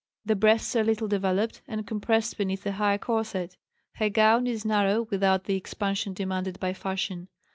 The breasts are little developed, and compressed beneath a high corset; her gown is narrow without the expansion demanded by fashion.